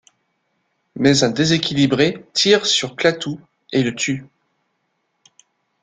Mais un déséquilibré tire sur Klaatu et le tue.